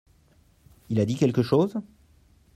Il a dit quelque chose ?